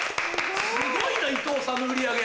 すごいな伊藤さんの売り上げ。